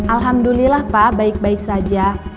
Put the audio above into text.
alhamdulillah pak baik baik saja